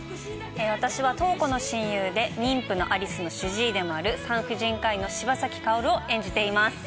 私は瞳子の親友で妊婦の有栖の主治医でもある産婦人科医の柴崎薫を演じています